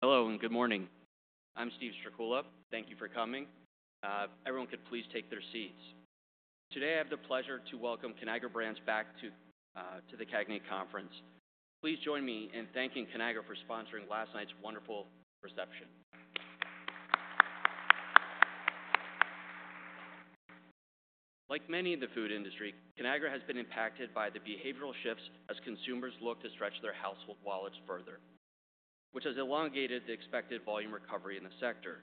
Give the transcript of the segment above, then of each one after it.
Hello, and good morning. I'm Steve Strycula. Thank you for coming. Everyone could please take their seats. Today, I have the pleasure to welcome Conagra Brands back to the CAGNY Conference. Please join me in thanking Conagra for sponsoring last night's wonderful reception. Like many in the food industry, Conagra has been impacted by the behavioral shifts as consumers look to stretch their household wallets further, which has elongated the expected volume recovery in the sector.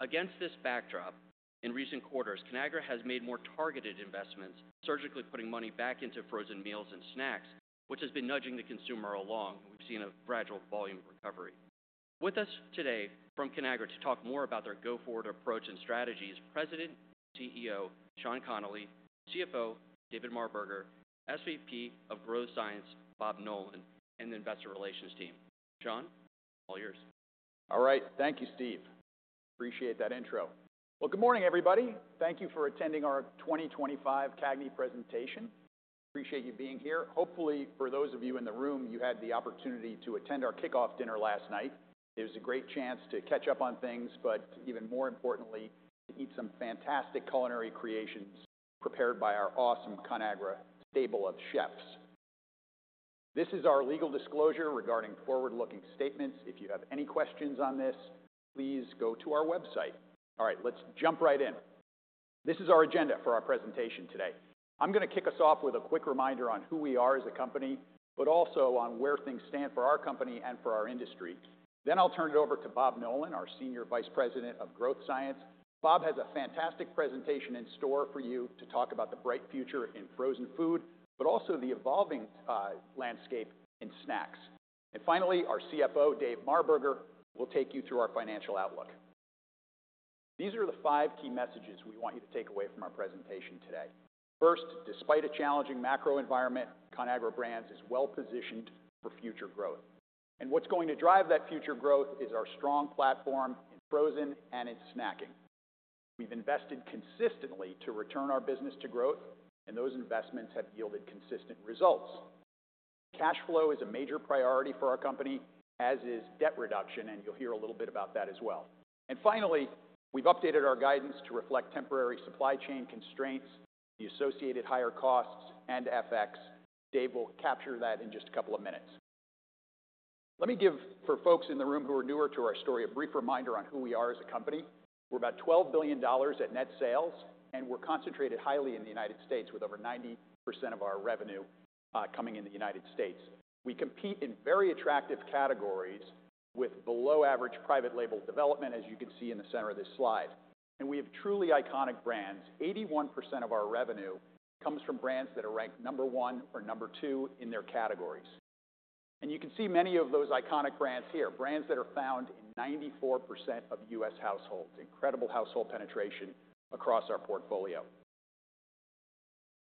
Against this backdrop, in recent quarters, Conagra has made more targeted investments, surgically putting money back into frozen meals and snacks, which has been nudging the consumer along. We've seen a gradual volume recovery. With us today from Conagra to talk more about their go-forward approach and strategies, President and CEO Sean Connolly, CFO David Marberger, SVP of Demand Science Bob Nolan, and the investor relations team. Sean, all yours. All right. Thank you, Steve. Appreciate that intro. Well, good morning, everybody. Thank you for attending our 2025 CAGNY presentation. Appreciate you being here. Hopefully, for those of you in the room, you had the opportunity to attend our kickoff dinner last night. It was a great chance to catch up on things, but even more importantly, to eat some fantastic culinary creations prepared by our awesome Conagra stable of chefs. This is our legal disclosure regarding forward-looking statements. If you have any questions on this, please go to our website. All right, let's jump right in. This is our agenda for our presentation today. I'm going to kick us off with a quick reminder on who we are as a company, but also on where things stand for our company and for our industry. Then I'll turn it over to Bob Nolan, our Senior Vice President of Growth Science. Bob has a fantastic presentation in store for you to talk about the bright future in frozen food, but also the evolving landscape in snacks, and finally, our CFO, Dave Marberger, will take you through our financial outlook. These are the five key messages we want you to take away from our presentation today. First, despite a challenging macro environment, Conagra Brands is well-positioned for future growth, and what's going to drive that future growth is our strong platform in frozen and in snacking. We've invested consistently to return our business to growth, and those investments have yielded consistent results. Cash flow is a major priority for our company, as is debt reduction, and you'll hear a little bit about that as well, and finally, we've updated our guidance to reflect temporary supply chain constraints, the associated higher costs, and FX. Dave will capture that in just a couple of minutes. Let me give, for folks in the room who are newer to our story, a brief reminder on who we are as a company. We're about $12 billion at net sales, and we're concentrated highly in the United States, with over 90% of our revenue coming in the United States. We compete in very attractive categories with below-average private label development, as you can see in the center of this slide, and we have truly iconic brands. 81% of our revenue comes from brands that are ranked number one or number two in their categories, and you can see many of those iconic brands here, brands that are found in 94% of U.S. households, incredible household penetration across our portfolio.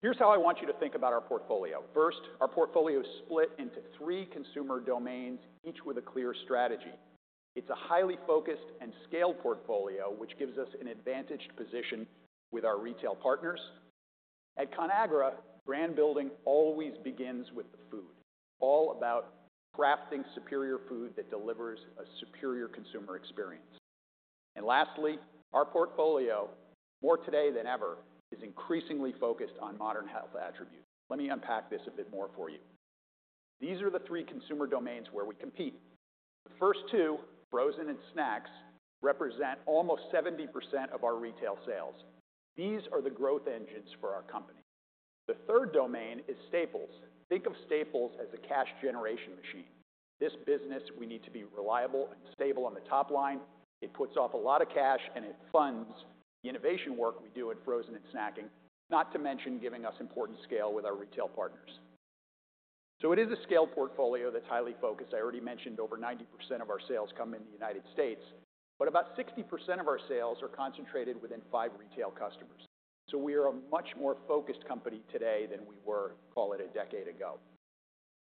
Here's how I want you to think about our portfolio. First, our portfolio is split into three consumer domains, each with a clear strategy. It's a highly focused and scaled portfolio, which gives us an advantaged position with our retail partners. At Conagra, brand building always begins with the food, all about crafting superior food that delivers a superior consumer experience. And lastly, our portfolio, more today than ever, is increasingly focused on modern health attributes. Let me unpack this a bit more for you. These are the three consumer domains where we compete. The first two, frozen and snacks, represent almost 70% of our retail sales. These are the growth engines for our company. The third domain is staples. Think of staples as a cash generation machine. This business, we need to be reliable and stable on the top line. It puts off a lot of cash, and it funds the innovation work we do at frozen and snacking, not to mention giving us important scale with our retail partners, so it is a scaled portfolio that's highly focused. I already mentioned over 90% of our sales come in the United States, but about 60% of our sales are concentrated within five retail customers, so we are a much more focused company today than we were, call it, a decade ago,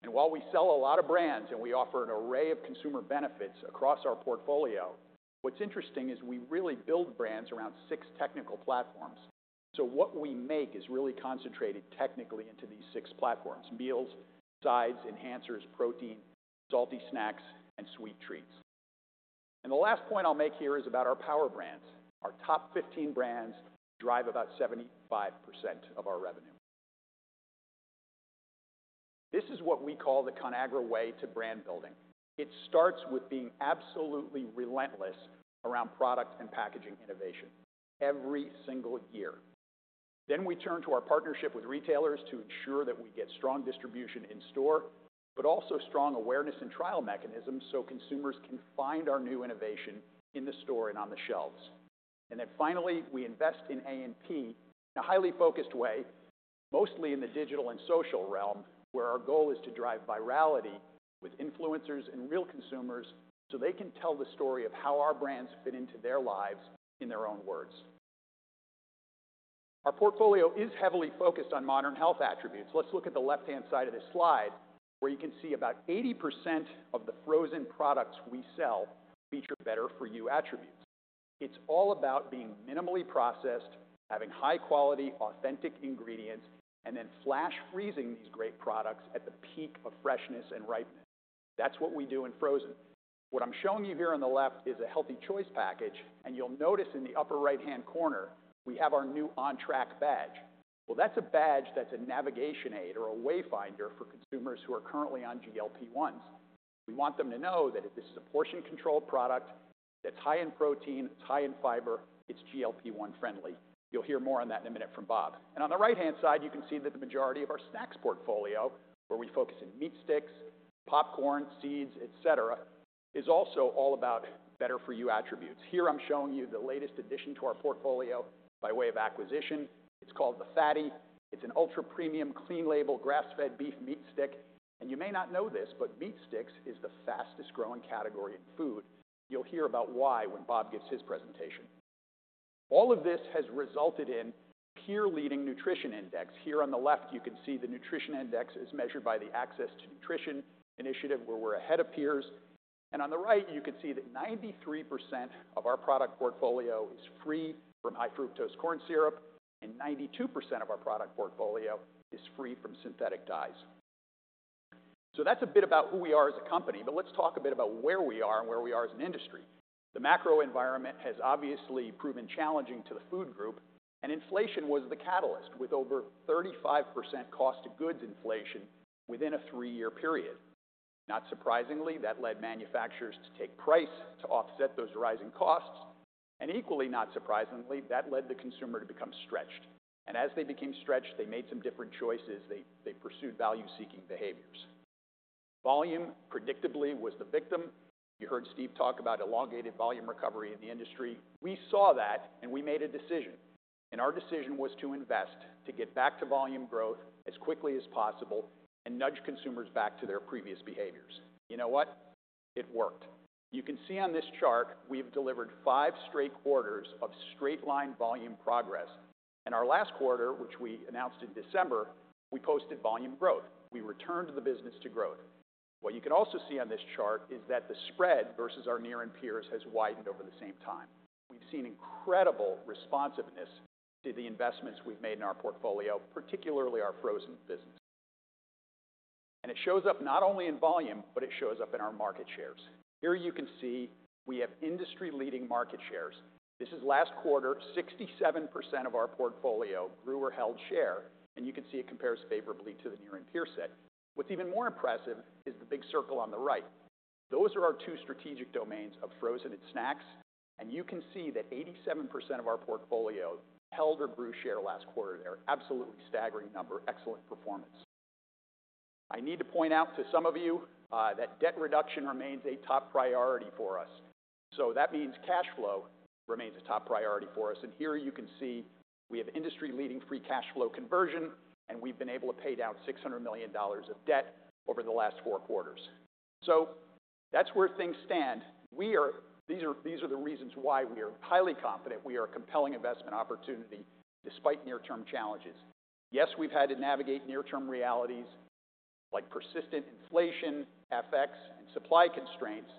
and while we sell a lot of brands and we offer an array of consumer benefits across our portfolio, what's interesting is we really build brands around six technical platforms, so what we make is really concentrated technically into these six platforms: meals, sides, enhancers, protein, salty snacks, and sweet treats, and the last point I'll make here is about our power brands. Our top 15 brands drive about 75% of our revenue. This is what we call the Conagra way to brand building. It starts with being absolutely relentless around product and packaging innovation every single year. Then we turn to our partnership with retailers to ensure that we get strong distribution in store, but also strong awareness and trial mechanisms so consumers can find our new innovation in the store and on the shelves. And then finally, we invest in A&P in a highly focused way, mostly in the digital and social realm, where our goal is to drive virality with influencers and real consumers so they can tell the story of how our brands fit into their lives in their own words. Our portfolio is heavily focused on modern health attributes. Let's look at the left-hand side of this slide, where you can see about 80% of the frozen products we sell feature better-for-you attributes. It's all about being minimally processed, having high-quality, authentic ingredients, and then flash-freezing these great products at the peak of freshness and ripeness. That's what we do in frozen. What I'm showing you here on the left is a Healthy Choice package, and you'll notice in the upper right-hand corner, we have our new On Track badge. Well, that's a badge that's a navigation aid or a wayfinder for consumers who are currently on GLP-1s. We want them to know that this is a portion-controlled product that's high in protein, it's high in fiber, it's GLP-1 friendly. You'll hear more on that in a minute from Bob. On the right-hand side, you can see that the majority of our snacks portfolio, where we focus on meat sticks, popcorn, seeds, etc., is also all about better-for-you attributes. Here, I'm showing you the latest addition to our portfolio by way of acquisition. It's called the FATTY. It's an ultra-premium clean-label grass-fed beef meat stick. And you may not know this, but meat sticks is the fastest-growing category in food. You'll hear about why when Bob gives his presentation. All of this has resulted in a peer-leading nutrition index. Here on the left, you can see the nutrition index is measured by the Access to Nutrition Initiative, where we're ahead of peers. And on the right, you can see that 93% of our product portfolio is free from high-fructose corn syrup, and 92% of our product portfolio is free from synthetic dyes. So that's a bit about who we are as a company, but let's talk a bit about where we are and where we are as an industry. The macro environment has obviously proven challenging to the food group, and inflation was the catalyst with over 35% cost of goods inflation within a three-year period. Not surprisingly, that led manufacturers to take price to offset those rising costs. And equally not surprisingly, that led the consumer to become stretched. And as they became stretched, they made some different choices. They pursued value-seeking behaviors. Volume, predictably, was the victim. You heard Steve talk about elongated volume recovery in the industry. We saw that, and we made a decision. And our decision was to invest, to get back to volume growth as quickly as possible, and nudge consumers back to their previous behaviors. You know what? It worked. You can see on this chart, we've delivered five straight quarters of straight-line volume progress. And our last quarter, which we announced in December, we posted volume growth. We returned the business to growth. What you can also see on this chart is that the spread versus our peers has widened over the same time. We've seen incredible responsiveness to the investments we've made in our portfolio, particularly our frozen business. And it shows up not only in volume, but it shows up in our market shares. Here you can see we have industry-leading market shares. This is last quarter, 67% of our portfolio grew or held share, and you can see it compares favorably to the peer set. What's even more impressive is the big circle on the right. Those are our two strategic domains of frozen and snacks, and you can see that 87% of our portfolio held or grew share last quarter. They're an absolutely staggering number, excellent performance. I need to point out to some of you that debt reduction remains a top priority for us. So that means cash flow remains a top priority for us. And here you can see we have industry-leading free cash flow conversion, and we've been able to pay down $600 million of debt over the last four quarters. So that's where things stand. These are the reasons why we are highly confident we are a compelling investment opportunity despite near-term challenges. Yes, we've had to navigate near-term realities like persistent inflation, FX, and supply constraints,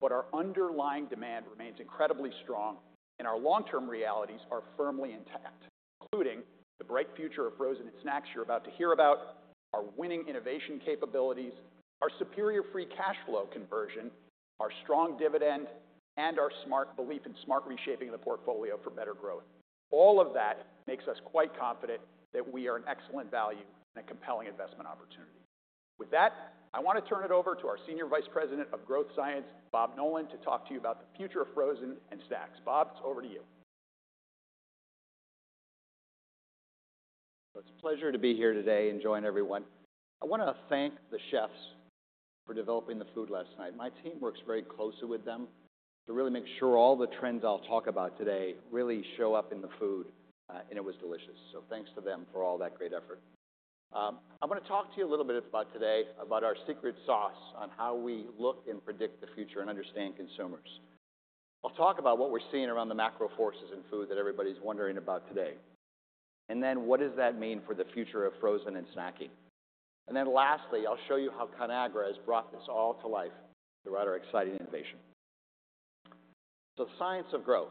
but our underlying demand remains incredibly strong, and our long-term realities are firmly intact, including the bright future of frozen and snacks you're about to hear about, our winning innovation capabilities, our superior free cash flow conversion, our strong dividend, and our belief in smart reshaping of the portfolio for better growth. All of that makes us quite confident that we are an excellent value and a compelling investment opportunity. With that, I want to turn it over to our Senior Vice President of Growth Science, Bob Nolan, to talk to you about the future of frozen and snacks. Bob, it's over to you. It's a pleasure to be here today and join everyone. I want to thank the chefs for developing the food last night. My team works very closely with them to really make sure all the trends I'll talk about today really show up in the food, and it was delicious. Thanks to them for all that great effort. I'm going to talk to you a little bit today about our secret sauce on how we look and predict the future and understand consumers. I'll talk about what we're seeing around the macro forces in food that everybody's wondering about today, and then what does that mean for the future of frozen and snacking, then lastly, I'll show you how Conagra has brought this all to life through our exciting innovation. The science of growth.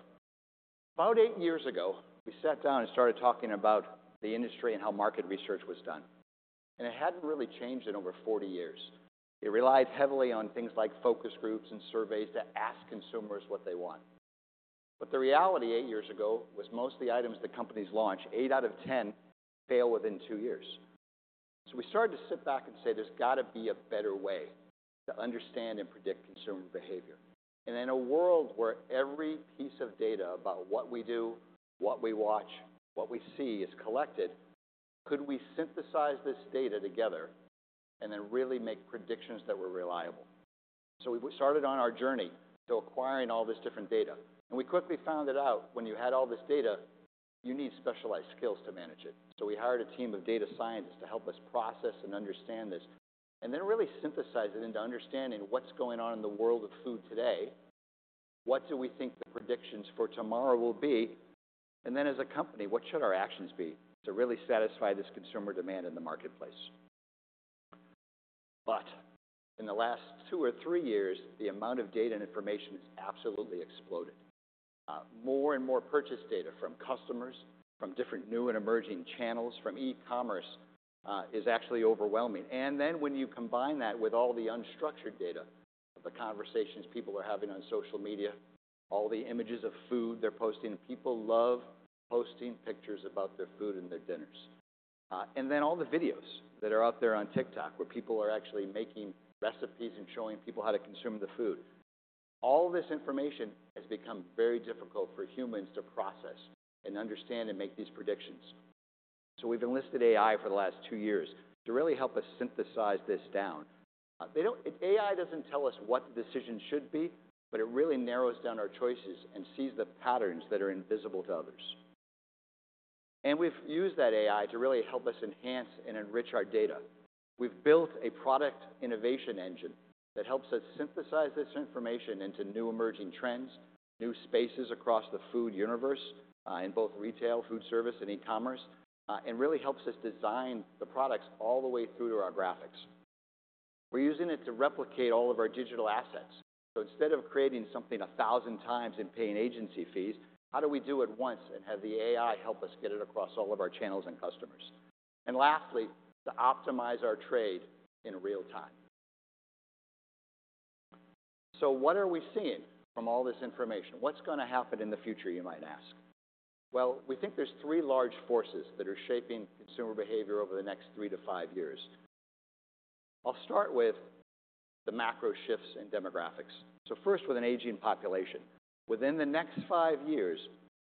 About eight years ago, we sat down and started talking about the industry and how market research was done. And it hadn't really changed in over 40 years. It relied heavily on things like focus groups and surveys to ask consumers what they want. But the reality eight years ago was most of the items that companies launch, eight out of 10, fail within two years. So we started to sit back and say, there's got to be a better way to understand and predict consumer behavior. And in a world where every piece of data about what we do, what we watch, what we see is collected, could we synthesize this data together and then really make predictions that were reliable? So we started on our journey to acquiring all this different data. And we quickly found it out when you had all this data, you need specialized skills to manage it. So we hired a team of data scientists to help us process and understand this and then really synthesize it into understanding what's going on in the world of food today, what do we think the predictions for tomorrow will be, and then as a company, what should our actions be to really satisfy this consumer demand in the marketplace. But in the last two or three years, the amount of data and information has absolutely exploded. More and more purchase data from customers, from different new and emerging channels, from e-commerce is actually overwhelming. And then when you combine that with all the unstructured data of the conversations people are having on social media, all the images of food they're posting, people love posting pictures about their food and their dinners. And then all the videos that are out there on TikTok where people are actually making recipes and showing people how to consume the food. All this information has become very difficult for humans to process and understand and make these predictions. So we've enlisted AI for the last two years to really help us synthesize this down. AI doesn't tell us what the decision should be, but it really narrows down our choices and sees the patterns that are invisible to others. And we've used that AI to really help us enhance and enrich our data. We've built a product innovation engine that helps us synthesize this information into new emerging trends, new spaces across the food universe in both retail, food service, and e-commerce, and really helps us design the products all the way through to our graphics. We're using it to replicate all of our digital assets. So instead of creating something a thousand times and paying agency fees, how do we do it once and have the AI help us get it across all of our channels and customers? And lastly, to optimize our trade in real time. So what are we seeing from all this information? What's going to happen in the future, you might ask? Well, we think there's three large forces that are shaping consumer behavior over the next three to five years. I'll start with the macro shifts in demographics. So first, with an aging population. Within the next five years,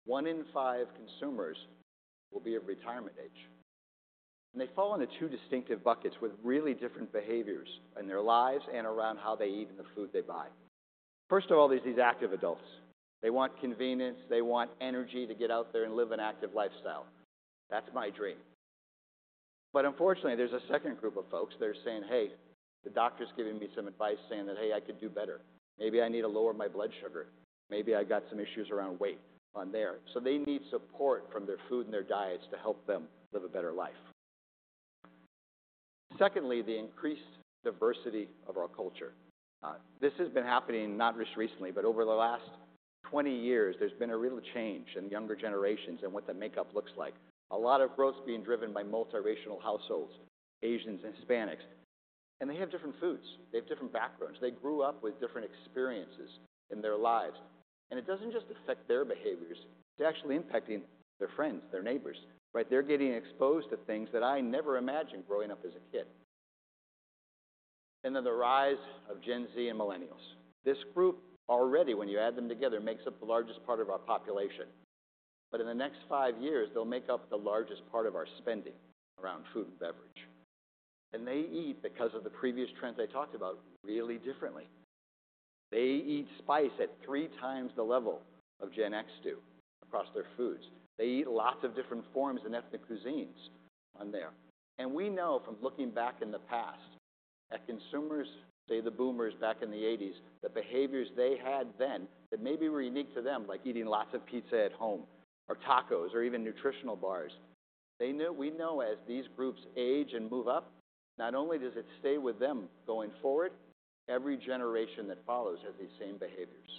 one in five consumers will be of retirement age, and they fall into two distinctive buckets with really different behaviors in their lives and around how they eat and the food they buy. First of all, there's these active adults. They want convenience, they want energy to get out there and live an active lifestyle. That's my dream, but unfortunately, there's a second group of folks. They're saying, "Hey, the doctor's giving me some advice saying that, hey, I could do better. Maybe I need to lower my blood sugar. Maybe I've got some issues around weight on there." So they need support from their food and their diets to help them live a better life. Secondly, the increased diversity of our culture. This has been happening not just recently, but over the last 20 years. There's been a real change in younger generations and what the makeup looks like. A lot of growth's being driven by multi-racial households, Asians and Hispanics. And they have different foods. They have different backgrounds. They grew up with different experiences in their lives. And it doesn't just affect their behaviors. It's actually impacting their friends, their neighbors, right? They're getting exposed to things that I never imagined growing up as a kid. And then the rise of Gen Z and Millennials. This group already, when you add them together, makes up the largest part of our population. But in the next five years, they'll make up the largest part of our spending around food and beverage. And they eat, because of the previous trends I talked about, really differently. They eat spice at three times the level of Gen X do across their foods. They eat lots of different forms and ethnic cuisines on there. We know from looking back in the past that consumers, say the Boomers back in the '80s, the behaviors they had then that maybe were unique to them, like eating lots of pizza at home or tacos or even nutritional bars, we know as these groups age and move up, not only does it stay with them going forward, every generation that follows has these same behaviors.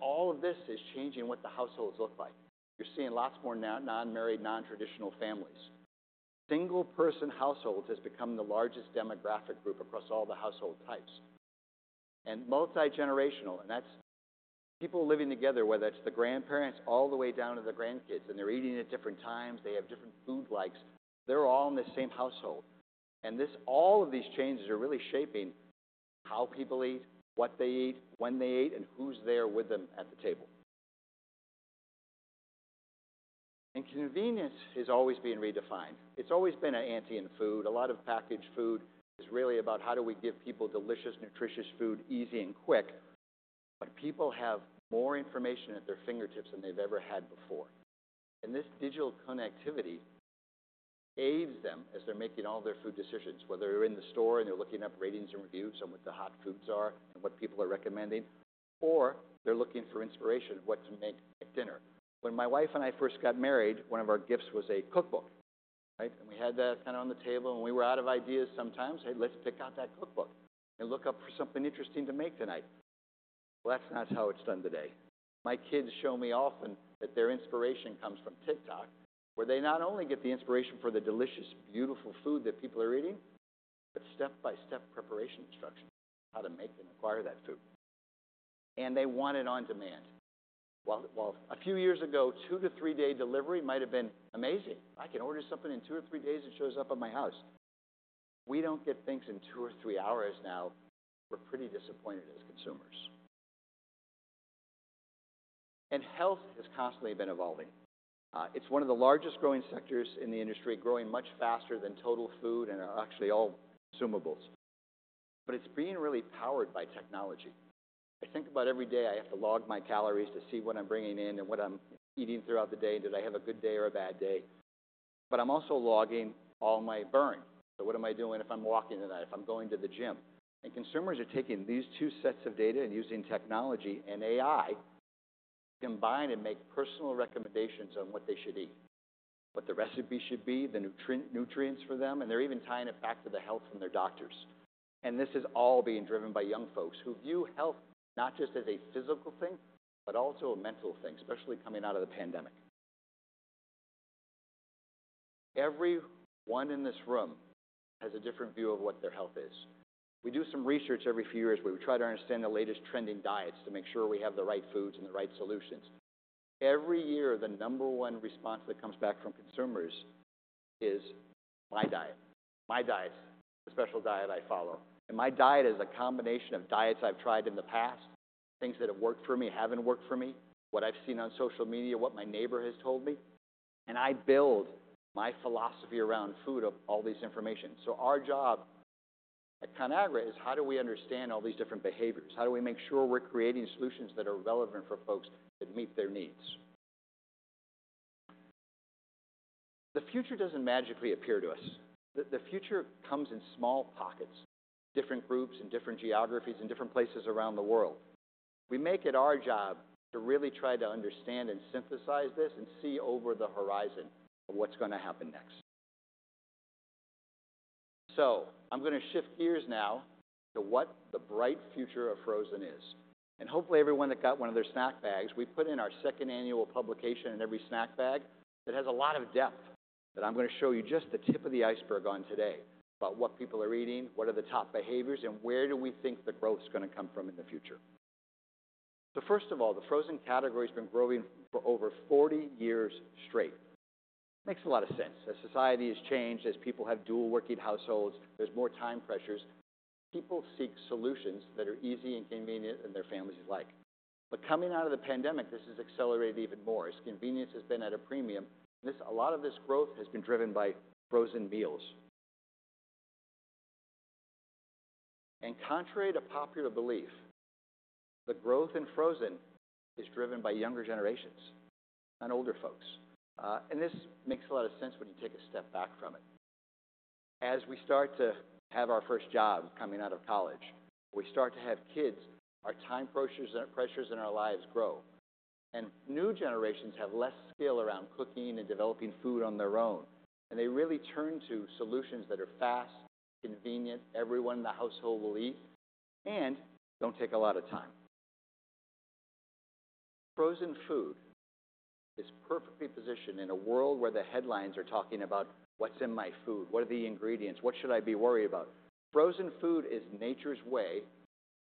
All of this is changing what the households look like. You're seeing lots more non-married, non-traditional families. Single-person households have become the largest demographic group across all the household types. Multi-generational, and that's people living together, whether it's the grandparents all the way down to the grandkids, and they're eating at different times. They have different food likes. They're all in the same household. All of these changes are really shaping how people eat, what they eat, when they eat, and who's there with them at the table. Convenience is always being redefined. It's always been an ante in food. A lot of packaged food is really about how do we give people delicious, nutritious food easy and quick, but people have more information at their fingertips than they've ever had before. This digital connectivity aids them as they're making all their food decisions, whether they're in the store and they're looking up ratings and reviews on what the hot foods are and what people are recommending, or they're looking for inspiration of what to make at dinner. When my wife and I first got married, one of our gifts was a cookbook, right? And we had that kind of on the table, and we were out of ideas sometimes. Hey, let's pick out that cookbook and look up for something interesting to make tonight. Well, that's not how it's done today. My kids show me often that their inspiration comes from TikTok, where they not only get the inspiration for the delicious, beautiful food that people are eating, but step-by-step preparation instructions, how to make and acquire that food. And they want it on demand. Well, a few years ago, two to three-day delivery might have been amazing. I can order something in two or three days that shows up at my house. We don't get things in two or three hours now. We're pretty disappointed as consumers. And health has constantly been evolving. It's one of the largest growing sectors in the industry, growing much faster than total food and actually all consumables. But it's being really powered by technology. I think about every day I have to log my calories to see what I'm bringing in and what I'm eating throughout the day and did I have a good day or a bad day. But I'm also logging all my burn. So what am I doing if I'm walking tonight, if I'm going to the gym? Consumers are taking these two sets of data and using technology and AI to combine and make personal recommendations on what they should eat, what the recipe should be, the nutrients for them, and they're even tying it back to the health from their doctors. This is all being driven by young folks who view health not just as a physical thing, but also a mental thing, especially coming out of the pandemic. Everyone in this room has a different view of what their health is. We do some research every few years where we try to understand the latest trending diets to make sure we have the right foods and the right solutions. Every year, the number one response that comes back from consumers is my diet, my diet, the special diet I follow. My diet is a combination of diets I've tried in the past, things that have worked for me, haven't worked for me, what I've seen on social media, what my neighbor has told me. And I build my philosophy around food of all this information. So our job at Conagra is how do we understand all these different behaviors? How do we make sure we're creating solutions that are relevant for folks that meet their needs? The future doesn't magically appear to us. The future comes in small pockets, different groups and different geographies and different places around the world. We make it our job to really try to understand and synthesize this and see over the horizon of what's gonna happen next. So I'm going to shift gears now to what the bright future of frozen is. And hopefully, everyone that got one of their snack bags, we put in our second annual publication in every snack bag that has a lot of depth that I'm going to show you just the tip of the iceberg on today about what people are eating, what are the top behaviors, and where do we think the growth's going to come from in the future. So first of all, the frozen category has been growing for over 40 years straight. Makes a lot of sense. As society has changed, as people have dual-working households, there's more time pressures. People seek solutions that are easy and convenient in their families' lives. But coming out of the pandemic, this has accelerated even more. As convenience has been at a premium, a lot of this growth has been driven by frozen meals. And contrary to popular belief, the growth in frozen is driven by younger generations and older folks. And this makes a lot of sense when you take a step back from it. As we start to have our first jobs coming out of college, we start to have kids, our time pressures in our lives grow. And new generations have less skill around cooking and developing food on their own. And they really turn to solutions that are fast, convenient, everyone in the household will eat, and don't take a lot of time. Frozen food is perfectly positioned in a world where the headlines are talking about what's in my food, what are the ingredients, what should I be worried about. Frozen food is nature's way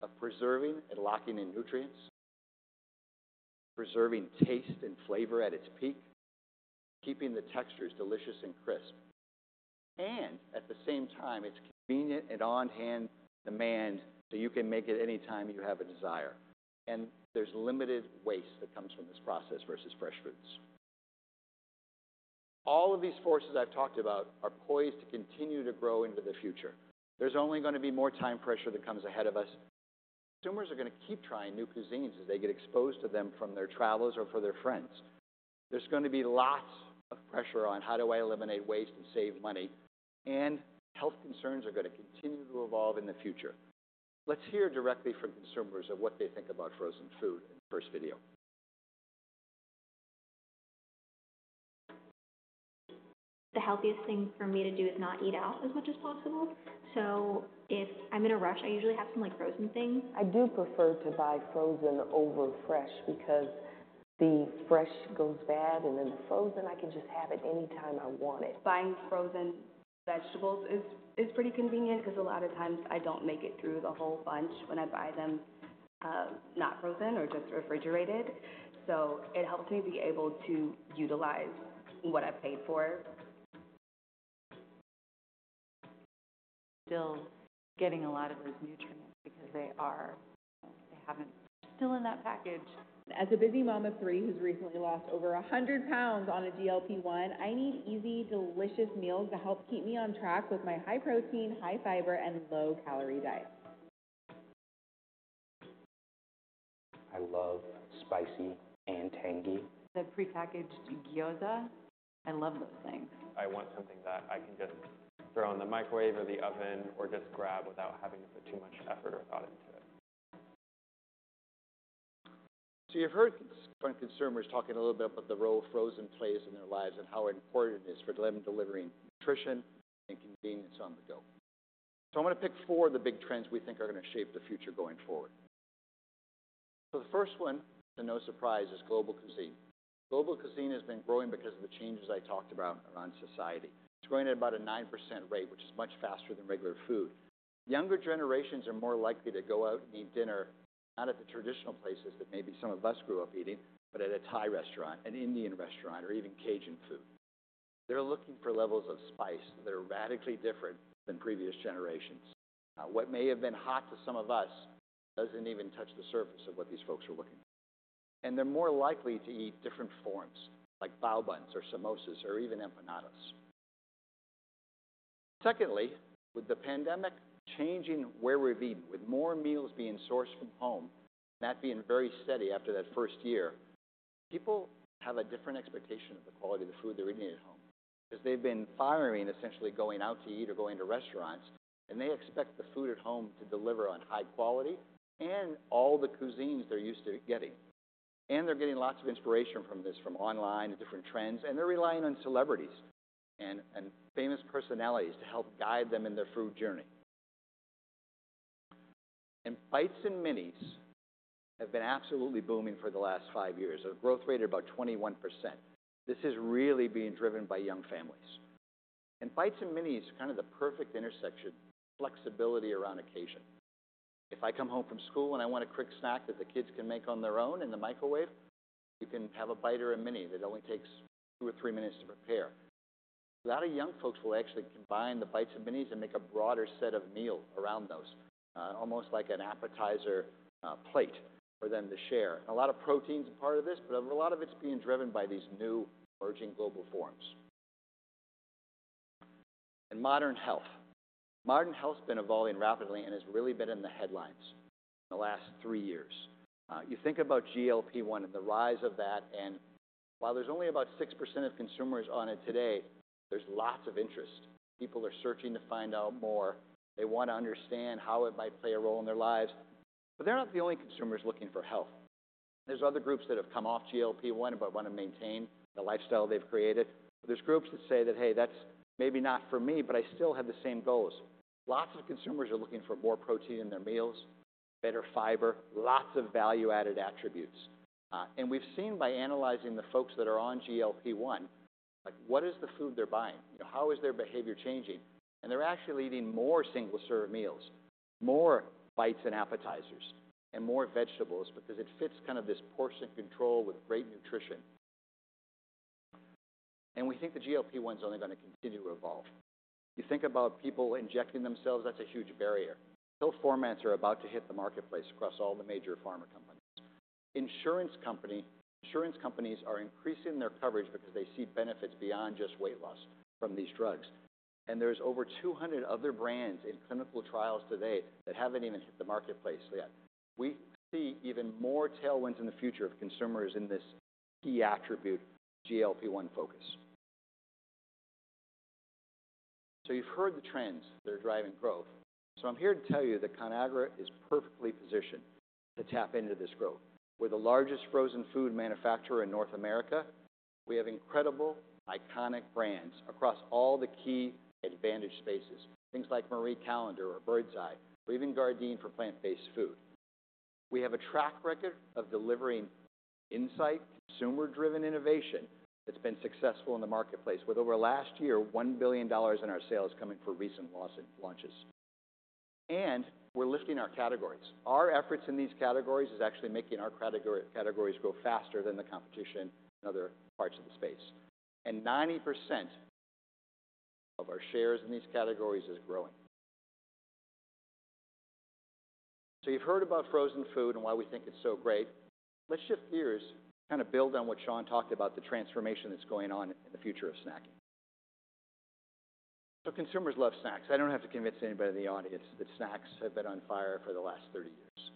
of preserving and locking in nutrients, preserving taste and flavor at its peak, keeping the textures delicious and crisp. And at the same time, it's convenient and on-demand so you can make it anytime you have a desire. And there's limited waste that comes from this process versus fresh fruits. All of these forces I've talked about are poised to continue to grow into the future. There's only going to be more time pressure that comes ahead of us. Consumers are going to keep trying new cuisines as they get exposed to them from their travels or for their friends. There's going to be lots of pressure on how do I eliminate waste and save money. And health concerns are going to continue to evolve in the future. Let's hear directly from consumers of what they think about frozen food in the first video. The healthiest thing for me to do is not eat out as much as possible. If I'm in a rush, I usually have some frozen things. I do prefer to buy frozen over fresh because the fresh goes bad and then the frozen, I can just have it anytime I want it. Buying frozen vegetables is pretty convenient because a lot of times I don't make it through the whole bunch when I buy them not frozen or just refrigerated. It helps me be able to utilize what I've paid for. Still getting a lot of those nutrients because they have them still in that package. As a busy mom of three who's recently lost over 100 pounds on a GLP-1, I need easy, delicious meals to help keep me on track with my high-protein, high-fiber, and low-calorie diet. I love spicy and tangy. The prepackaged gyoza, I love those things. I want something that I can just throw in the microwave or the oven or just grab without having to put too much effort or thought into it. So you've heard from consumers talking a little bit about the role frozen plays in their lives and how important it is for them, delivering nutrition and convenience on the go. So I want to pick four of the big trends we think are going to shape the future going forward. So the first one, and no surprise, is global cuisine. Global cuisine has been growing because of the changes I talked about around society. It's growing at about a 9% rate, which is much faster than regular food. Younger generations are more likely to go out and eat dinner not at the traditional places that maybe some of us grew up eating, but at a Thai restaurant, an Indian restaurant, or even Cajun food. They're looking for levels of spice that are radically different than previous generations. What may have been hot to some of us doesn't even touch the surface of what these folks are looking for, and they're more likely to eat different forms like bao buns or samosas or even empanadas. Secondly, with the pandemic changing where we've eaten, with more meals being sourced from home, that being very steady after that first year. People have a different expectation of the quality of the food they're eating at home because they've been trying essentially going out to eat or going to restaurants, and they expect the food at home to deliver on high quality and all the cuisines they're used to getting, and they're getting lots of inspiration from this, from online and different trends, and they're relying on celebrities and famous personalities to help guide them in their food journey. And bites and minis have been absolutely booming for the last five years, a growth rate of about 21%. This is really being driven by young families, and bites and minis is kind of the perfect intersection of flexibility around occasion. If I come home from school and I want a quick snack that the kids can make on their own in the microwave, you can have a bite or a mini that only takes two or three minutes to prepare. A lot of young folks will actually combine the bites and minis and make a broader set of meals around those, almost like an appetizer plate for them to share. And a lot of protein is part of this, but a lot of it's being driven by these new emerging global forms. And modern health. Modern health has been evolving rapidly and has really been in the headlines in the last three years. You think about GLP-1 and the rise of that, and while there's only about 6% of consumers on it today, there's lots of interest. People are searching to find out more. They want to understand how it might play a role in their lives. But they're not the only consumers looking for health. There's other groups that have come off GLP-1 but want to maintain the lifestyle they've created. There's groups that say that, "Hey, that's maybe not for me, but I still have the same goals." Lots of consumers are looking for more protein in their meals, better fiber, lots of value-added attributes. And we've seen by analyzing the folks that are on GLP-1, what is the food they're buying? How is their behavior changing? And they're actually eating more single-serve meals, more bites and appetizers, and more vegetables because it fits kind of this portion control with great nutrition. And we think the GLP-1 is only going to continue to evolve. You think about people injecting themselves, that's a huge barrier. Pill formats are about to hit the marketplace across all the major pharma companies. Insurance companies are increasing their coverage because they see benefits beyond just weight loss from these drugs, and there's over 200 other brands in clinical trials today that haven't even hit the marketplace yet. We see even more tailwinds in the future of consumers in this key attribute GLP-1 focus, so you've heard the trends that are driving growth, so I'm here to tell you that Conagra is perfectly positioned to tap into this growth. We're the largest frozen food manufacturer in North America. We have incredible, iconic brands across all the key advantage spaces, things like Marie Callender's or Birds Eye or even Gardein for plant-based food. We have a track record of delivering insights, consumer-driven innovation that's been successful in the marketplace with, over the last year, $1 billion in our sales coming from recent launches. We're lifting our categories. Our efforts in these categories are actually making our categories grow faster than the competition in other parts of the space. And 90% of our shares in these categories are growing. You've heard about frozen food and why we think it's so great. Let's shift gears to kind of build on what Sean talked about, the transformation that's going on in the future of snacking. Consumers love snacks. I don't have to convince anybody in the audience that snacks have been on fire for the last 30 years.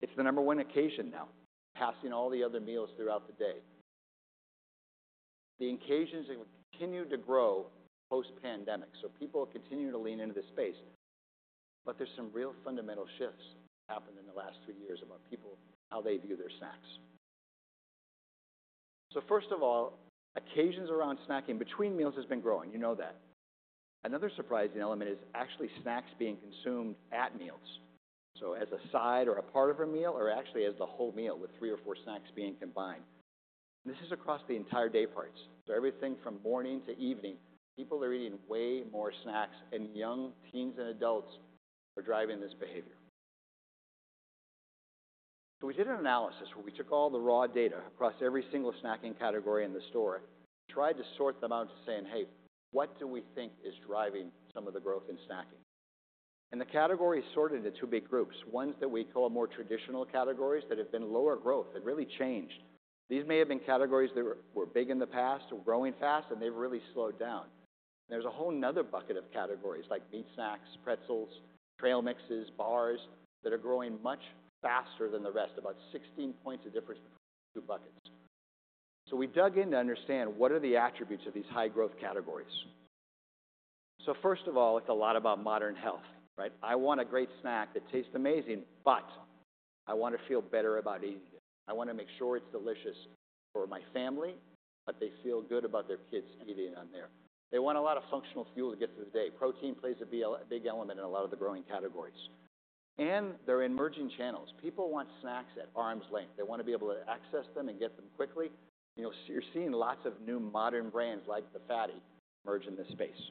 It's the number one occasion now, passing all the other meals throughout the day. The occasions have continued to grow post-pandemic. So people continue to lean into the space. But there's some real fundamental shifts that have happened in the last three years about people, how they view their snacks. So first of all, occasions around snacking between meals have been growing. You know that. Another surprising element is actually snacks being consumed at meals. So as a side or a part of a meal or actually as the whole meal with three or four snacks being combined. This is across the entire day parts. So everything from morning to evening, people are eating way more snacks, and young teens and adults are driving this behavior. So we did an analysis where we took all the raw data across every single snacking category in the store and tried to sort them out, saying, "Hey, what do we think is driving some of the growth in snacking?" And the categories sorted into two big groups, ones that we call more traditional categories that have been lower growth and really changed. These may have been categories that were big in the past or growing fast, and they've really slowed down. There's a whole another bucket of categories like meat snacks, pretzels, trail mixes, bars that are growing much faster than the rest, about 16 points of difference between the two buckets. So we dug in to understand what are the attributes of these high-growth categories. So first of all, it's a lot about modern health, right? I want a great snack that tastes amazing, but I want to feel better about eating it. I want to make sure it's delicious for my family, but they feel good about their kids eating on there. They want a lot of functional fuel to get through the day. Protein plays a big element in a lot of the growing categories, and there are emerging channels. People want snacks at arm's length. They want to be able to access them and get them quickly. You're seeing lots of new modern brands like The FATTY emerge in this space,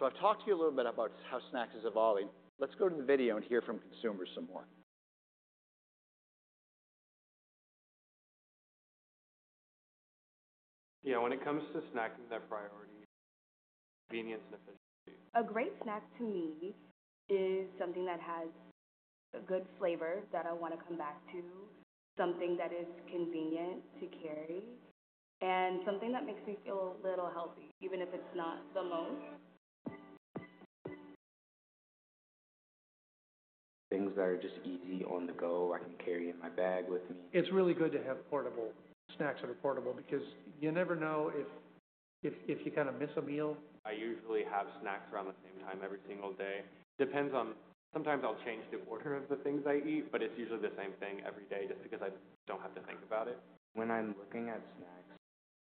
so I've talked to you a little bit about how snacks are evolving. Let's go to the video and hear from consumers some more. Yeah, when it comes to snacking, their priority is convenience and efficiency. A great snack to me is something that has a good flavor that I want to come back to, something that is convenient to carry, and something that makes me feel a little healthy, even if it's not the most. Things that are just easy on the go, I can carry in my bag with me. It's really good to have portable snacks that are portable because you never know if you kind of miss a meal. I usually have snacks around the same time every single day. It depends on sometimes I'll change the order of the things I eat, but it's usually the same thing every day just because I don't have to think about it. When I'm looking at snacks,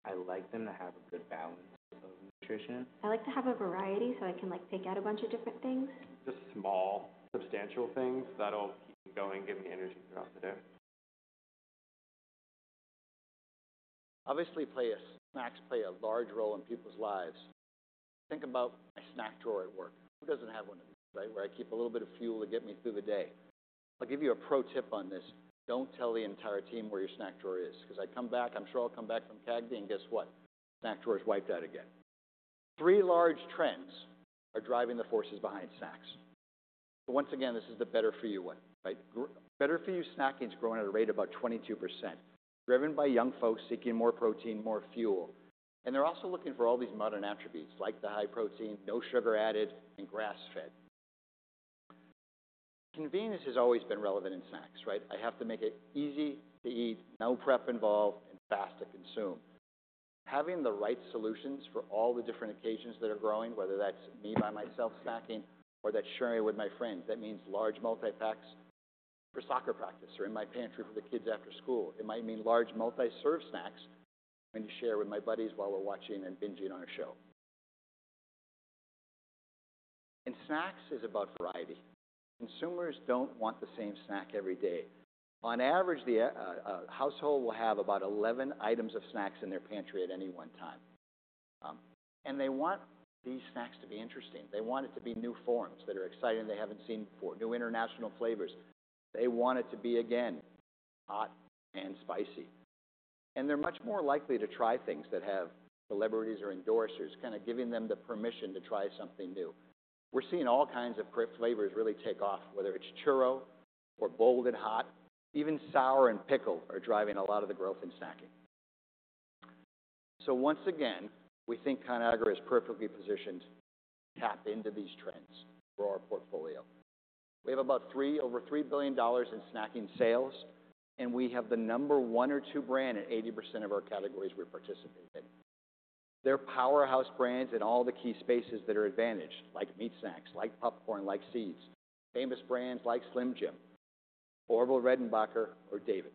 I like them to have a good balance of nutrition. I like to have a variety so I can pick out a bunch of different things. Just small, substantial things that'll keep me going, give me energy throughout the day. Obviously, snacks play a large role in people's lives. Think about my snack drawer at work. Who doesn't have one of these, right, where I keep a little bit of fuel to get me through the day? I'll give you a pro tip on this. Don't tell the entire team where your snack drawer is because I come back, I'm sure I'll come back from CAGNY and guess what? Snack drawer is wiped out again. Three large trends are driving the forces behind snacks. So once again, this is the better-for-you one, right? Better-for-you snacking is growing at a rate of about 22%, driven by young folks seeking more protein, more fuel. And they're also looking for all these modern attributes like the high protein, no sugar added, and grass-fed. Convenience has always been relevant in snacks, right? I have to make it easy to eat, no prep involved, and fast to consume. Having the right solutions for all the different occasions that are growing, whether that's me by myself snacking or that's sharing with my friends, that means large multi-packs for soccer practice or in my pantry for the kids after school. It might mean large multi-serve snacks for me to share with my buddies while we're watching and binging on a show. And snacks is about variety. Consumers don't want the same snack every day. On average, the household will have about 11 items of snacks in their pantry at any one time. And they want these snacks to be interesting. They want it to be new forms that are exciting they haven't seen before, new international flavors. They want it to be, again, hot and spicy. They're much more likely to try things that have celebrities or endorsers, kind of giving them the permission to try something new. We're seeing all kinds of flavors really take off, whether it's churro or bold and hot, even sour and pickled are driving a lot of the growth in snacking. So once again, we think Conagra is perfectly positioned to tap into these trends for our portfolio. We have about over $3 billion in snacking sales, and we have the number one or two brand in 80% of our categories we participate in. They're powerhouse brands in all the key spaces that are advantaged, like meat snacks, like popcorn, like seeds, famous brands like Slim Jim, Orville Redenbacher, or DAVID.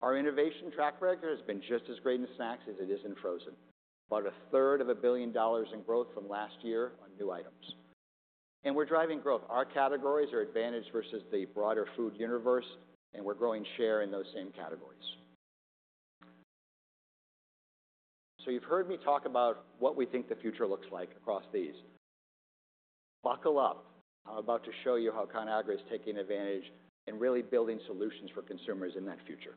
Our innovation track record has been just as great in snacks as it is in frozen, about $333 million in growth from last year on new items. And we're driving growth. Our categories are advantage versus the broader food universe, and we're growing share in those same categories. So you've heard me talk about what we think the future looks like across these. Buckle up. I'm about to show you how Conagra is taking advantage and really building solutions for consumers in that future.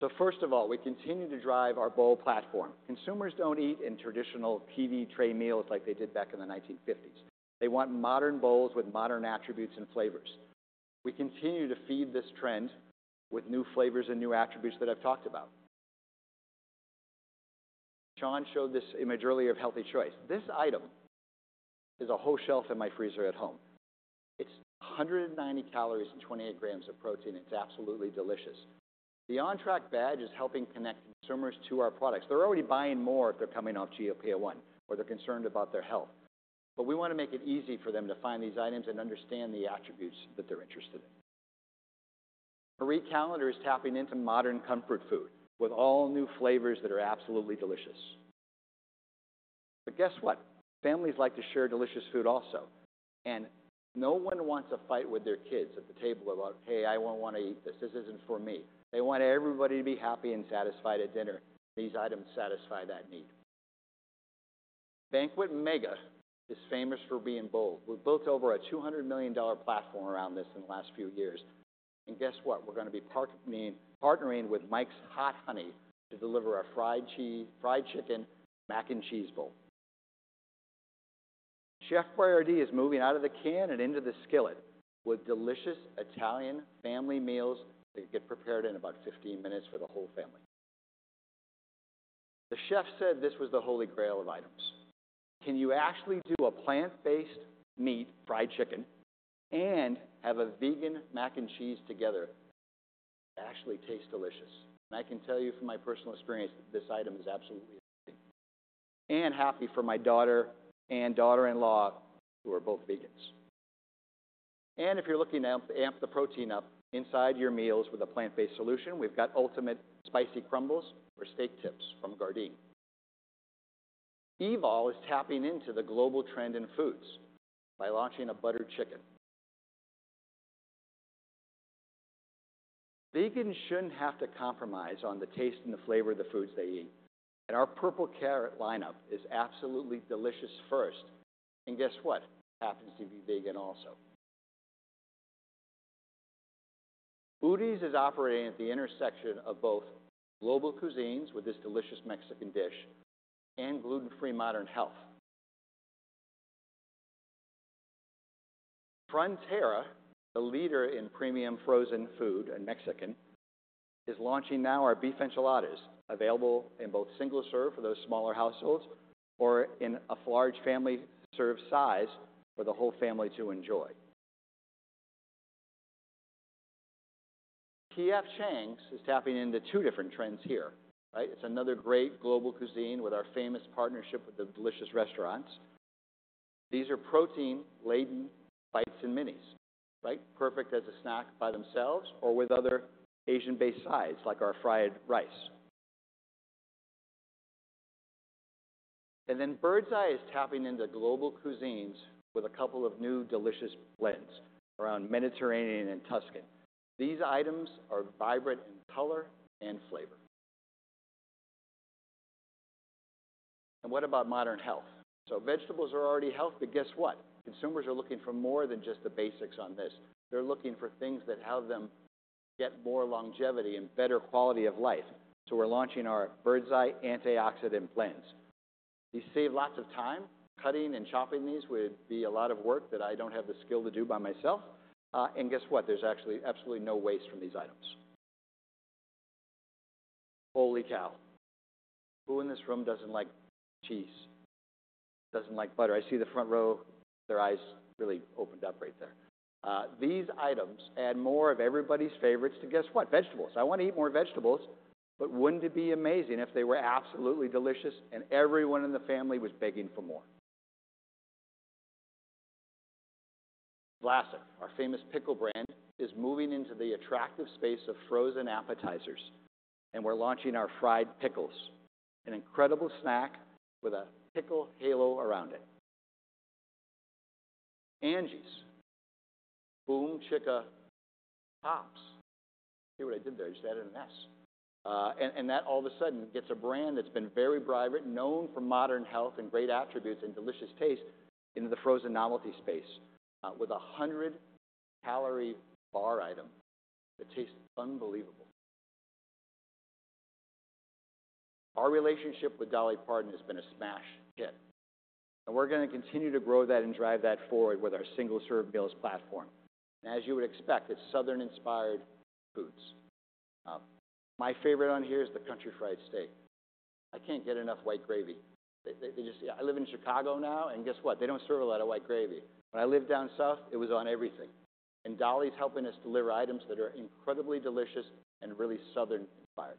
So first of all, we continue to drive our bowl platform. Consumers don't eat in traditional TV tray meals like they did back in the 1950s. They want modern bowls with modern attributes and flavors. We continue to feed this trend with new flavors and new attributes that I've talked about. Sean showed this image earlier of Healthy Choice. This item is a whole shelf in my freezer at home. It's 190 calories and 28 g of protein. It's absolutely delicious. The On Track badge is helping connect consumers to our products. They're already buying more if they're coming off GLP-1 or they're concerned about their health. But we want to make it easy for them to find these items and understand the attributes that they're interested in. Marie Callender's is tapping into modern comfort food with all new flavors that are absolutely delicious. But guess what? Families like to share delicious food also. And no one wants a fight with their kids at the table about, "Hey, I won't want to eat this. This isn't for me." They want everybody to be happy and satisfied at dinner. These items satisfy that need. Banquet Mega is famous for being bold. We've built over a $200 million platform around this in the last few years, and guess what? We're going to be partnering with Mike's Hot Honey to deliver our Fried Chicken Mac and Cheese bowl. Chef Boyardee is moving out of the can and into the skillet with delicious Italian family meals that get prepared in about 15 minutes for the whole family. The chef said this was the holy grail of items. Can you actually do a plant-based meat fried chicken and have a vegan mac and cheese together? It actually tastes delicious, and I can tell you from my personal experience that this item is absolutely addicting, and happy for my daughter and daughter-in-law who are both vegans. And if you're looking to amp the protein up inside your meals with a plant-based solution, we've got Ultimate Spicy Crumbles or steak tips from Gardein. Evol is tapping into the global trend in foods by launching a Butter Chicken. Vegans shouldn't have to compromise on the taste and the flavor of the foods they eat, and our Purple Carrot lineup is absolutely delicious first, and guess what? It happens to be vegan also. Udi's is operating at the intersection of both global cuisines with this delicious Mexican dish and gluten-free modern health. Frontera, the leader in premium frozen food and Mexican, is launching now our Beef Enchiladas available in both single serve for those smaller households or in a large family serve size for the whole family to enjoy. P.F. Chang's is tapping into two different trends here, right? It's another great global cuisine with our famous partnership with the delicious restaurants. These are protein-laden bites and minis, right? Perfect as a snack by themselves or with other Asian-based sides like our fried rice. And then Birds Eye is tapping into global cuisines with a couple of new delicious blends around Mediterranean and Tuscan. These items are vibrant in color and flavor. And what about modern health? So vegetables are already healthy, but guess what? Consumers are looking for more than just the basics on this. They're looking for things that have them get more longevity and better quality of life. So we're launching our Birds Eye Antioxidant Blends. You save lots of time. Cutting and chopping these would be a lot of work that I don't have the skill to do by myself. And guess what? There's actually absolutely no waste from these items. Holy cow. Who in this room doesn't like cheese? Doesn't like butter? I see the front row with their eyes really opened up right there. These items add more of everybody's favorites to guess what? Vegetables. I want to eat more vegetables, but wouldn't it be amazing if they were absolutely delicious and everyone in the family was begging for more? Vlasic, our famous pickle brand, is moving into the attractive space of frozen appetizers and we're launching our Fried Pickles, an incredible snack with a pickle halo around it. Angie's BOOMCHICKAPOP. See what I did there? I just added an S and that all of a sudden gets a brand that's been very bright, known for modern health and great attributes and delicious taste into the frozen novelty space with a 100-calorie bar item that tastes unbelievable. Our relationship with Dolly Parton has been a smash hit and we're going to continue to grow that and drive that forward with our single serve meals platform and as you would expect, it's Southern-inspired foods. My favorite on here is the Country Fried Steak. I can't get enough white gravy. I live in Chicago now, and guess what? They don't serve a lot of white gravy. When I lived down South, it was on everything. And Dolly's helping us deliver items that are incredibly delicious and really Southern-inspired.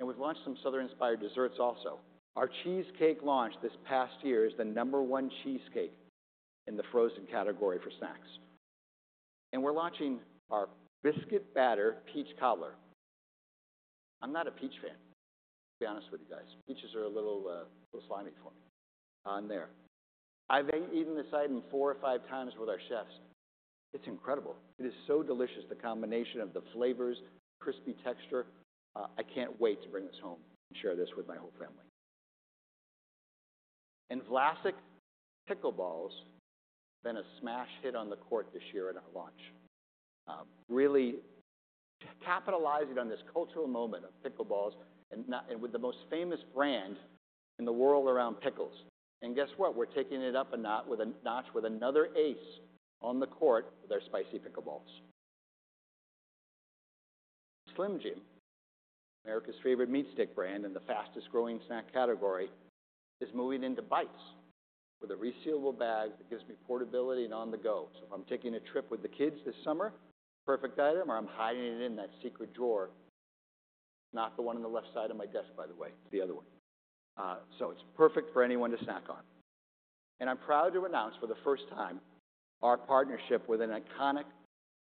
And we've launched some Southern-inspired desserts also. Our cheesecake launch this past year is the number one cheesecake in the frozen category for snacks. And we're launching our Biscuit Batter Peach Cobbler. I'm not a peach fan, to be honest with you guys. Peaches are a little slimy for me. On there. I've eaten this item four or five times with our chefs. It's incredible. It is so delicious, the combination of the flavors, the crispy texture. I can't wait to bring this home and share this with my whole family. Vlasic Pickle Balls have been a smash hit on the court this year at our launch. Really capitalizing on this cultural moment of pickleball and with the most famous brand in the world around pickles. Guess what? We're taking it up a notch with another ace on the court with our Spicy Pickle Balls. Slim Jim, America's favorite meat stick brand and the fastest growing snack category, is moving into Bites with a resealable bag that gives me portability and on the go. If I'm taking a trip with the kids this summer, perfect item, or I'm hiding it in that secret drawer. It's not the one on the left side of my desk, by the way. It's the other one. It's perfect for anyone to snack on. I'm proud to announce for the first time our partnership with an iconic,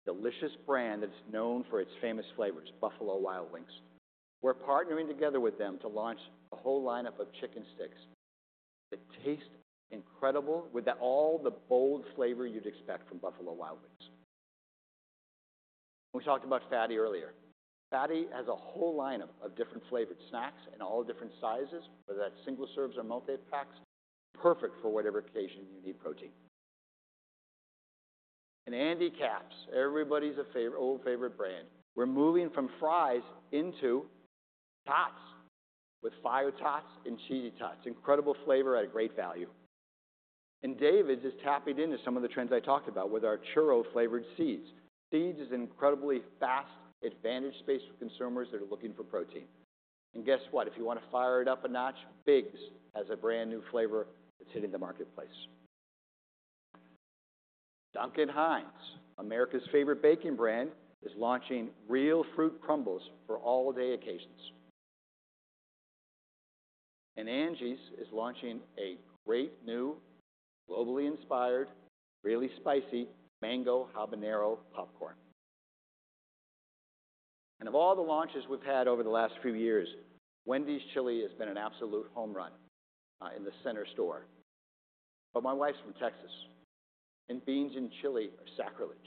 delicious brand that's known for its famous flavors, Buffalo Wild Wings. We're partnering together with them to launch a whole lineup of chicken sticks that taste incredible with all the bold flavor you'd expect from Buffalo Wild Wings. We talked about FATTY earlier. FATTY has a whole lineup of different flavored snacks in all different sizes, whether that's single serves or multipacks, perfect for whatever occasion you need protein. Andy Capp's, everybody's old favorite brand. We're moving from fries into tots with Fire Tots and Cheesy Tots. Incredible flavor at a great value. And, DAVID has tapped into some of the trends I talked about with our churro-flavored seeds. Seeds is an incredibly fast, advantaged space for consumers that are looking for protein. Guess what? If you want to fire it up a notch, BIGS has a brand new flavor that's hitting the marketplace. Duncan Hines, America's favorite baking brand, is launching Real Fruit Crumbles for all-day occasions, and Angie's is launching a great new globally inspired, really spicy mango habanero popcorn, and of all the launches we've had over the last few years. Wendy's Chili has been an absolute home run in the center store, but my wife's from Texas, and beans in chili are sacrilege,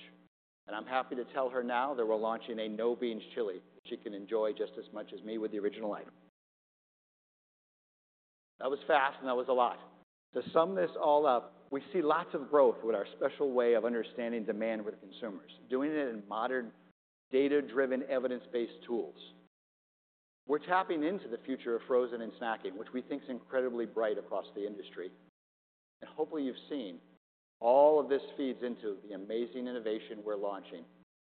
and I'm happy to tell her now that we're launching a no-beans chili that she can enjoy just as much as me with the original item. That was fast, and that was a lot. To sum this all up, we see lots of growth with our special way of understanding demand with consumers, doing it in modern data-driven, evidence-based tools. We're tapping into the future of frozen and snacking, which we think is incredibly bright across the industry. And hopefully, you've seen all of this feeds into the amazing innovation we're launching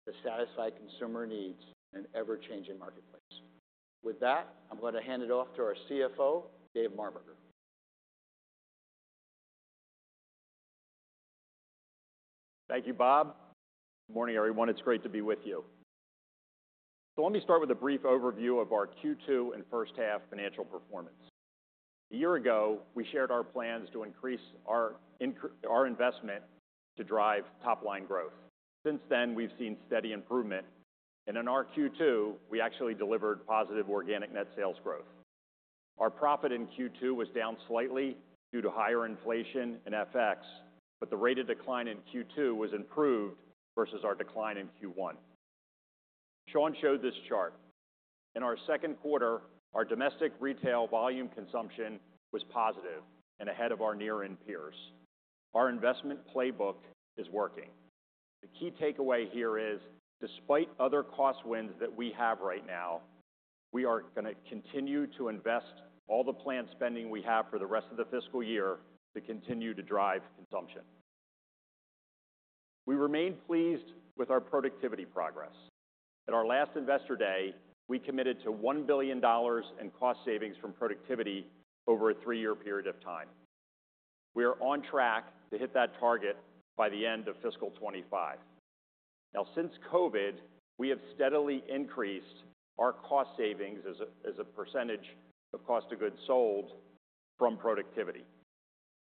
to satisfy consumer needs in an ever-changing marketplace. With that, I'm going to hand it off to our CFO, Dave Marberger. Thank you, Bob. Good morning, everyone. It's great to be with you. So let me start with a brief overview of our Q2 and first half financial performance. A year ago, we shared our plans to increase our investment to drive top-line growth. Since then, we've seen steady improvement. And in our Q2, we actually delivered positive organic net sales growth. Our profit in Q2 was down slightly due to higher inflation and FX, but the rate of decline in Q2 was improved versus our decline in Q1. Sean showed this chart. In our second quarter, our domestic retail volume consumption was positive and ahead of our nearest peers. Our investment playbook is working. The key takeaway here is, despite other cost wins that we have right now, we are going to continue to invest all the planned spending we have for the rest of the year to continue to drive consumption. We remain pleased with our productivity progress. At our last investor day, we committed to $1 billion in cost savings from productivity over a three-year period of time. We are on track to hit that target by the end of fiscal 2025. Now, since COVID, we have steadily increased our cost savings as a percentage of cost of goods sold from productivity,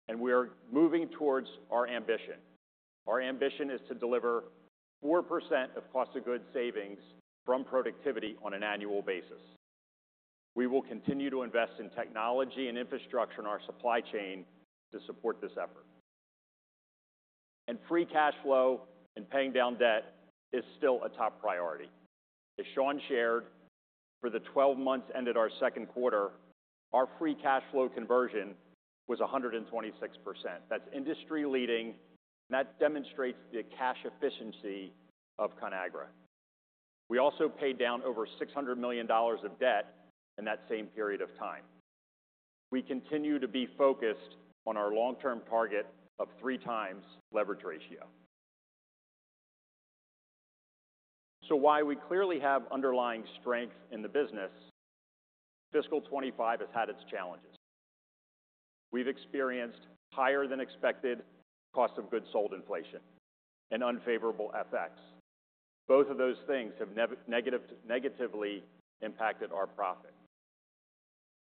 and we are moving towards our ambition. Our ambition is to deliver 4% of cost of goods savings from productivity on an annual basis. We will continue to invest in technology and infrastructure in our supply chain to support this effort, and free cash flow and paying down debt is still a top priority. As Sean shared, for the 12 months ended our second quarter, our free cash flow conversion was 126%. That's industry-leading, and that demonstrates the cash efficiency of Conagra. We also paid down over $600 million of debt in that same period of time. We continue to be focused on our long-term target of three times leverage ratio, so while we clearly have underlying strength in the business, fiscal 2025 has had its challenges. We've experienced higher-than-expected cost of goods sold inflation and unfavorable FX. Both of those things have negatively impacted our profit.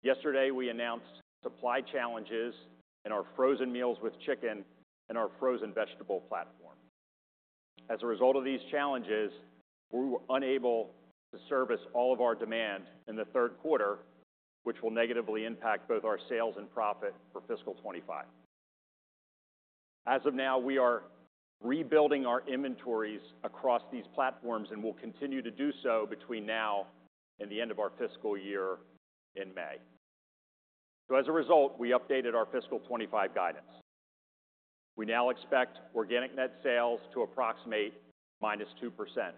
Yesterday, we announced supply challenges in our frozen meals with chicken and our frozen vegetable platform. As a result of these challenges, we were unable to service all of our demand in the third quarter, which will negatively impact both our sales and profit for fiscal 2025. As of now, we are rebuilding our inventories across these platforms and will continue to do so between now and the end of our fiscal year in May. So as a result, we updated our fiscal 2025 guidance. We now expect organic net sales to approximate -2%.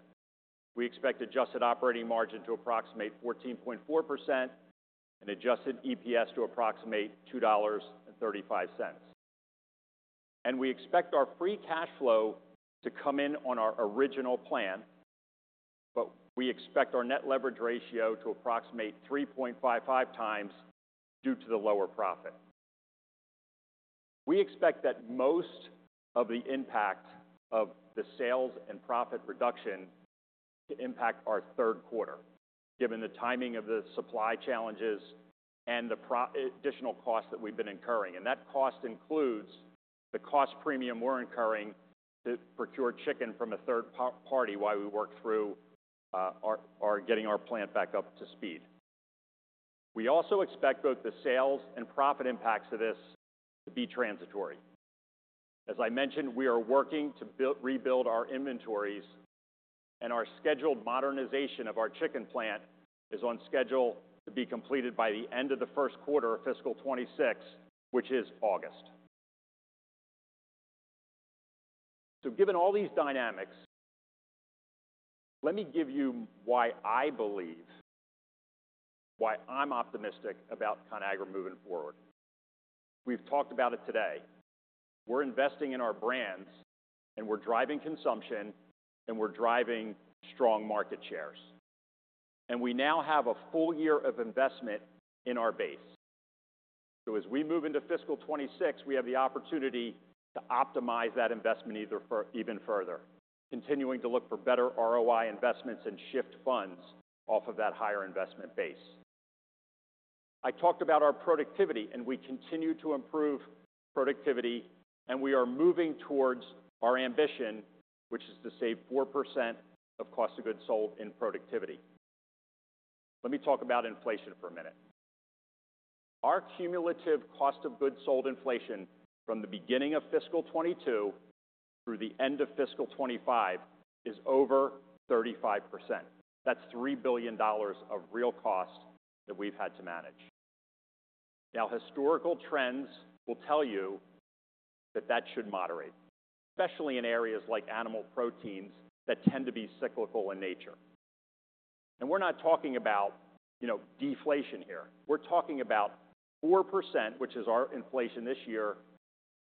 We expect adjusted operating margin to approximate 14.4% and adjusted EPS to approximate $2.35. And we expect our free cash flow to come in on our original plan, but we expect our net leverage ratio to approximate 3.55 times due to the lower profit. We expect that most of the impact of the sales and profit reduction to impact our third quarter, given the timing of the supply challenges and the additional costs that we've been incurring. And that cost includes the cost premium we're incurring to procure chicken from a third party while we work through getting our plant back up to speed. We also expect both the sales and profit impacts of this to be transitory. As I mentioned, we are working to rebuild our inventories, and our scheduled modernization of our chicken plant is on schedule to be completed by the end of the first quarter of fiscal 2026, which is August. So given all these dynamics, let me give you why I believe, why I'm optimistic about Conagra moving forward. We've talked about it today. We're investing in our brands, and we're driving consumption, and we're driving strong market shares. And we now have a full year of investment in our base. So as we move into fiscal 2026, we have the opportunity to optimize that investment even further, continuing to look for better ROI investments and shift funds off of that higher investment base. I talked about our productivity, and we continue to improve productivity, and we are moving towards our ambition, which is to save 4% of cost of goods sold in productivity. Let me talk about inflation for a minute. Our cumulative cost of goods sold inflation from the beginning of fiscal 2022 through the end of fiscal 2025 is over 35%. That's $3 billion of real costs that we've had to manage. Now, historical trends will tell you that that should moderate, especially in areas like animal proteins that tend to be cyclical in nature. And we're not talking about deflation here. We're talking about 4%, which is our inflation this year,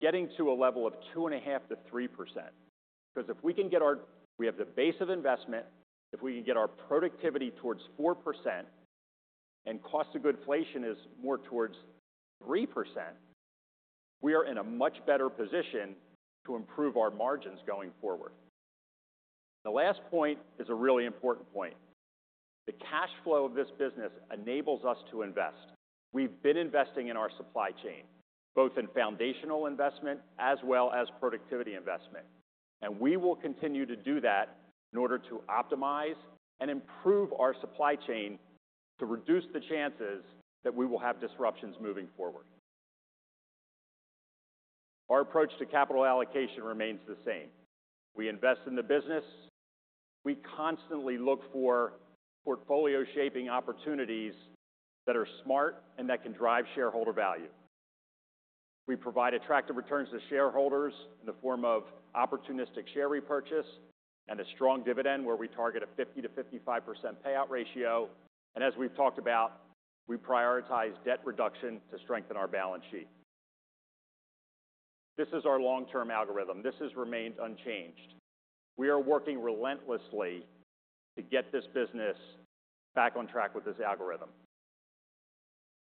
getting to a level of 2.5%-3%. Because if we can get our—we have the base of investment. If we can get our productivity towards 4% and cost of goods inflation is more towards 3%, we are in a much better position to improve our margins going forward. The last point is a really important point. The cash flow of this business enables us to invest. We've been investing in our supply chain, both in foundational investment as well as productivity investment. And we will continue to do that in order to optimize and improve our supply chain to reduce the chances that we will have disruptions moving forward. Our approach to capital allocation remains the same. We invest in the business. We constantly look for portfolio-shaping opportunities that are smart and that can drive shareholder value. We provide attractive returns to shareholders in the form of opportunistic share repurchase and a strong dividend, where we target a 50-55% payout ratio, and as we've talked about, we prioritize debt reduction to strengthen our balance sheet. This is our long-term algorithm. This has remained unchanged. We are working relentlessly to get this business back on track with this algorithm.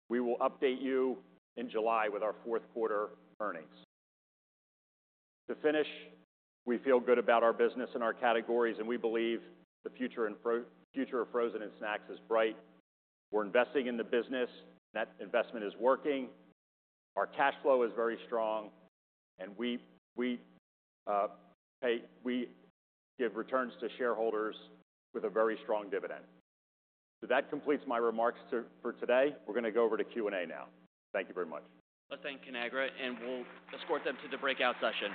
We will update you in July with our fourth quarter earnings. To finish, we feel good about our business and our categories, and we believe the future of frozen and snacks is bright. We're investing in the business. That investment is working. Our cash flow is very strong, and we give returns to shareholders with a very strong dividend, so that completes my remarks for today. We're going to go over to Q&A now. Thank you very much. Let's thank Conagra, and we'll escort them to the breakout session.